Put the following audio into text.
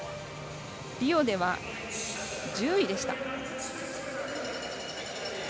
リオでは１０位でした。